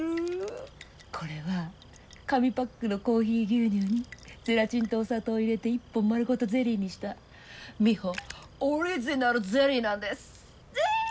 これは紙パックのコーヒー牛乳にゼラチンとお砂糖を入れて１本丸ごとゼリーにしたミホオリジナルゼリーなんです。